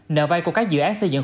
nợ vai của các dự án xây dựng